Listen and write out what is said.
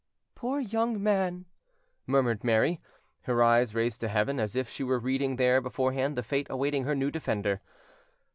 "Poor young man!" murmured Mary, her eyes raised to heaven, as if she were reading there beforehand the fate awaiting her new defender.